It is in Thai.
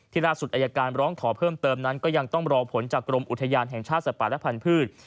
ล่าสุดอายการร้องขอเพิ่มเติมนั้นก็ยังต้องรอผลจากกรมอุทยานแห่งชาติสัตว์ป่าและพันธุ์